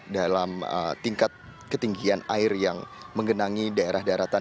dalam tingkat ketinggian air yang menggenangi daerah daratan